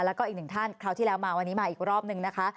แล้วก็อีกหนึ่งท่านคราวที่แล้วมาวันนี้มาอีกรอบนึงนะคะ